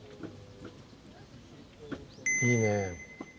いいね。